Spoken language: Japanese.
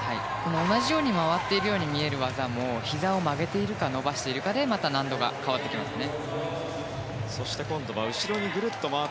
同じように回っているように見える技もひざを曲げているか伸ばしているかでまた難度が変わってくるんですね。